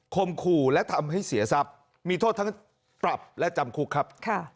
ขู่และทำให้เสียทรัพย์มีโทษทั้งปรับและจำคุกครับ